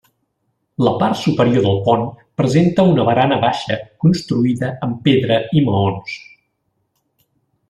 La part superior del pont presenta una barana baixa construïda amb pedra i maons.